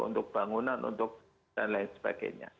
untuk bangunan untuk dan lain sebagainya